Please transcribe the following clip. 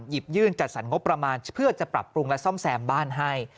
หยิบยื่นจัดสรรงบประมาณเพื่อจะปรับปรุงและซ่อมแซมบ้านให้